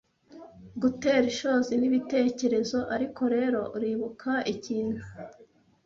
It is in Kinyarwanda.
kugutera ishozi n'ibitekerezo. Ariko rero uribuka ikintu